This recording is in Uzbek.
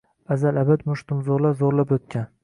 Аzal-abad mushtumzoʼrlar zoʼrlab oʼtgan.